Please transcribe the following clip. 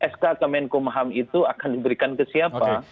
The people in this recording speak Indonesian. sk kemenkumham itu akan diberikan ke siapa